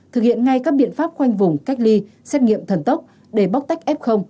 thực hiện ngay các biện pháp khoanh vùng cách ly xét nghiệm thần tốc để bóc tách f